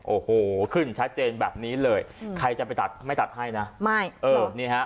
โอ้โหขึ้นชัดเจนแบบนี้เลยใครจะไปตัดไม่ตัดให้นะไม่เออนี่ฮะ